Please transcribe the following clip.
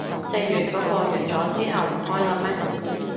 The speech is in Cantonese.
四月嗰個完咗，之後唔開喇咩